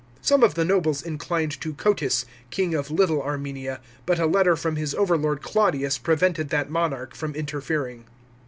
Some of the nobles inclined to Cotys, king of Little Armenia, but a letter from his overlord Claudius prevented that monarch from interfering.